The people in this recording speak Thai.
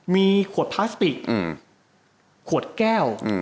มีขวดพลาสติกขวดแก้ว